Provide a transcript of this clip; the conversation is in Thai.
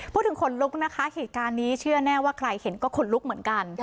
ขนลุกนะคะเหตุการณ์นี้เชื่อแน่ว่าใครเห็นก็ขนลุกเหมือนกัน